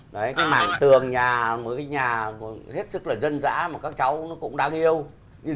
đấy cái mảng tường nhà một cái nhà hết sức là dân dã mà các cháu nó cũng đáng yêu